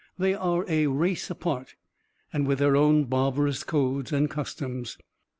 They are as a race apart; and with their own barbarous codes and customs.